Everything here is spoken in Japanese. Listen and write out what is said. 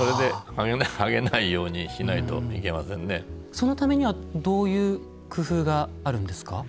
そのためにはどういう工夫があるんですか？